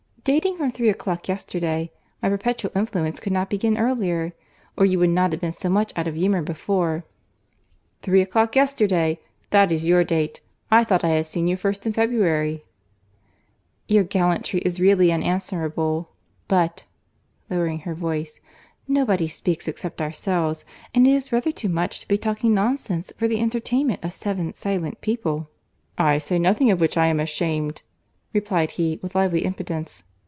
"Dating from three o'clock yesterday. My perpetual influence could not begin earlier, or you would not have been so much out of humour before." "Three o'clock yesterday! That is your date. I thought I had seen you first in February." "Your gallantry is really unanswerable. But (lowering her voice)—nobody speaks except ourselves, and it is rather too much to be talking nonsense for the entertainment of seven silent people." "I say nothing of which I am ashamed," replied he, with lively impudence.